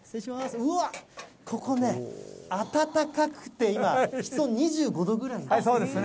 うわっ、ここね、暖かくて今、室温２５度そうですね。